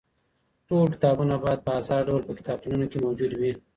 ټول کتابونه بايد په ازاد ډول په کتابتونونو کي موجود وي.